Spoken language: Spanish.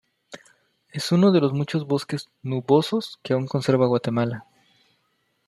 Es uno de los muchos bosques nubosos que aun conserva Guatemala.